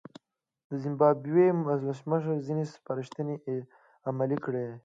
د زیمبابوې ولسمشر ځینې سپارښتنې عملي کړې.